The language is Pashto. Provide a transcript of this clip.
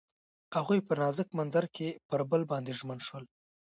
هغوی په نازک منظر کې پر بل باندې ژمن شول.